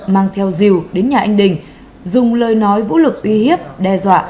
mang theo diều đến nhà anh đình dùng lời nói vũ lực uy hiếp đe dọa